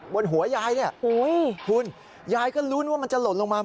บนหัวยายเนี่ยคุณยายก็ลุ้นว่ามันจะหล่นลงมา